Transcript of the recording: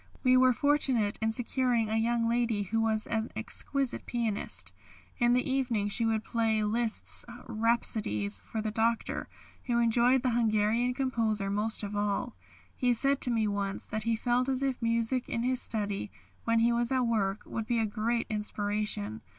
We were fortunate in securing a young lady who was an exquisite pianist. In the evening she would play Liszt's rhapsodies for the Doctor, who enjoyed the Hungarian composer most of all. He said to me once that he felt as if music in his study, when he was at work, would be a great inspiration.